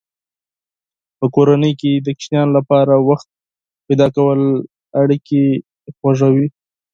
په کورنۍ کې د کوچنیانو لپاره وخت پیدا کول اړیکې خوږوي.